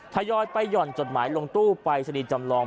ทยอยไปหย่อนจดหมายลงตู้ปรายศนีย์จำลอง